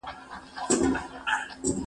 آیا بل څوک هم شته چې دا غږ واوري؟